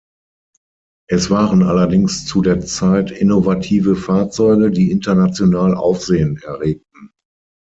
Es waren allerdings zu der Zeit innovative Fahrzeuge, die international Aufsehen erregten.